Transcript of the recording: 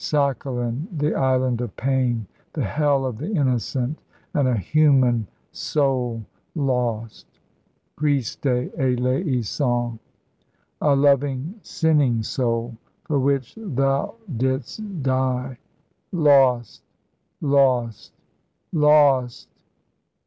Sakhalin, the island of pain, the hell of the innocent, and a human soul lost. Christe eleison! A loving, sinning soul for which Thou didst die, lost lost lost!"